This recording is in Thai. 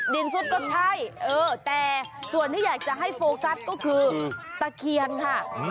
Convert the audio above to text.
ซุดก็ใช่เออแต่ส่วนที่อยากจะให้โฟกัสก็คือตะเคียนค่ะ